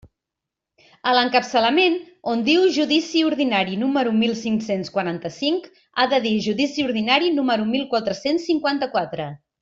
A l'encapçalament, on diu «judici ordinari número mil cinc-cents quaranta-cinc»; ha de dir «judici ordinari número mil quatre-cents cinquanta-quatre».